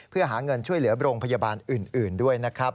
เพื่อหาเงินช่วยเหลือโรงพยาบาลอื่นด้วยนะครับ